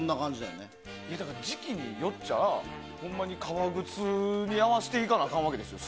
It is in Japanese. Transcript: だから、時期によっちゃほんまに革靴に合わせていかなあかんわけですよ